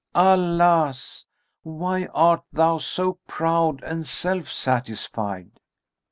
Alas! why art thou so proud and self satisfied?"